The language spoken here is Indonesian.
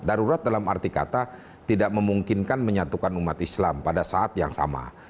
darurat dalam arti kata tidak memungkinkan menyatukan umat islam pada saat yang sama